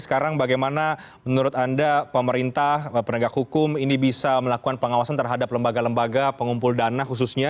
sekarang bagaimana menurut anda pemerintah penegak hukum ini bisa melakukan pengawasan terhadap lembaga lembaga pengumpul dana khususnya